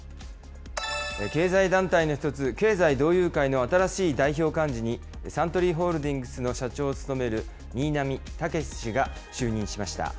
経済団体の一つ、経済同友会の新しい代表幹事に、サントリーホールディングスの社長を務める新浪剛史氏が就任しました。